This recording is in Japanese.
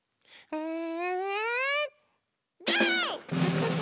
うん。